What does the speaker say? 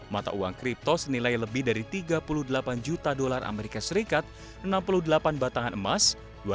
mata uang kripto senilai lebih dari tiga puluh delapan juta dolar as enam puluh delapan batangan emas